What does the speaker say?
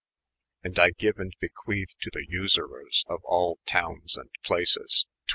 And I geue and bequethe to the Usurers of all Tonnes and Plac^, xx.